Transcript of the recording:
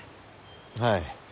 はい。